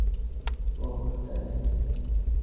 ওহ্ তাই নাকি?